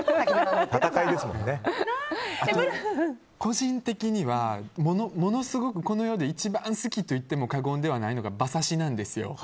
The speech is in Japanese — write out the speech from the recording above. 個人的にはものすごくこの世で一番好きと言っても過言ではないのが馬刺しなんですよ。